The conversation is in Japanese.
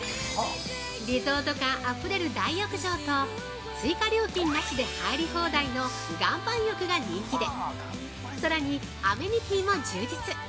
リゾート感あふれる大浴場と追加料金なしで入り放題の岩盤浴が人気でさらにアメニティーも充実！